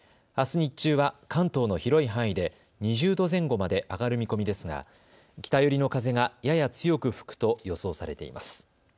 日中は関東の広い範囲で２０度前後まで上がる見込みですが北寄りの風がやや強く吹くと予想されています。